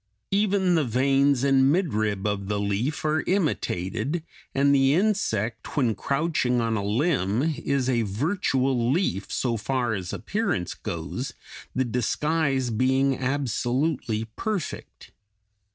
Even the veins and midrib of the leaf are imitated, and the insect, when crouching on a limb, is a virtual leaf, so far as appearance goes, the disguise being absolutely perfect.